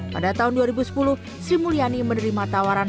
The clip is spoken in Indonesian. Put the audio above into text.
pada tahun dua ribu sepuluh sri mulyani menerima tawaran